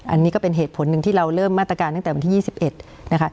อันนี้ก็เป็นเหตุผลหนึ่งที่เราเริ่มมาตรการตั้งแต่วันที่๒๑นะคะ